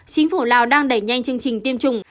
chính phủ lào đang đẩy nhanh chương trình tiêm chủng